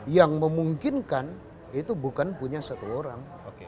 yang memungkinkan itu bukan punya satu orang